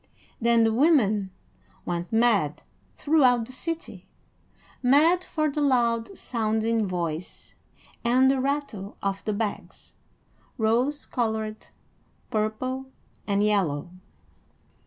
Then the women went mad throughout the city, mad for the loud sounding voice and the rattle of the bags, rose colored, purple, and yellow.